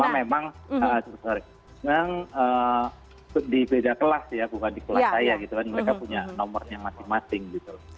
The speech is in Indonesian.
memang di beda kelas ya bukan di kelas saya gitu kan mereka punya nomornya masing masing gitu